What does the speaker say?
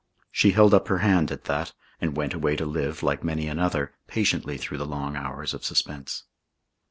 She held up her hand at that, and went away to live, like many another, patiently through the long hours of suspense.